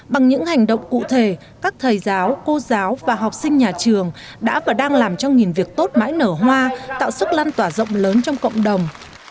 bằng những hành động cụ thể các thầy giáo cô giáo và học sinh nhà trường đã và đang làm cho nghìn việc tốt mãi nở hoa tạo sức lan tỏa rộng lớn trong cộng đồng